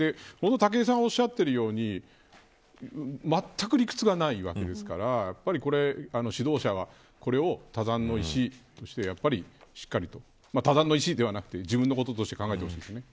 武井さんがおっしゃっているようにまったく理屈がないわけですから指導者は、これを他山の石として他山の石ではなくて自分のこととして考えてほしいですね。